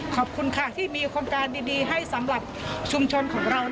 ขอบคุณค่ะที่มีโครงการดีให้สำหรับชุมชนของเรา